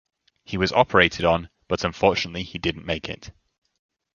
He was operated on but unfortunately he didn't make it.